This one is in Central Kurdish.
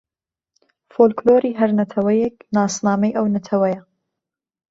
فۆلکلۆری هەر نەتەوەیێک ناسنامەی ئەو نەتەوەیە